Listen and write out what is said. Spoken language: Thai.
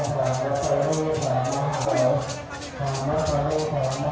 ทำให้รีดูเข็มอาหารเด็กที